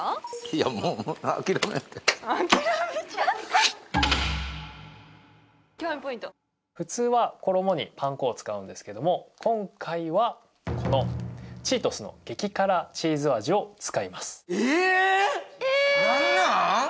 いやもう諦めた諦めちゃった普通は衣にパン粉を使うんですけども今回はこのチートスの激辛チーズ味を使いますえーっ？